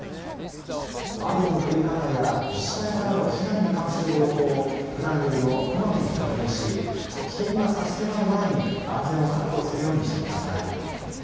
雨の降り方や自治体からの避難に関する情報を、ふだんよりもこまめに確認し、危険が差し迫る前に安全を確保するようにしてください。